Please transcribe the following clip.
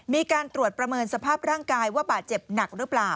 มีการตรวจประเมินสภาพร่างกายว่าบาดเจ็บหนักหรือเปล่า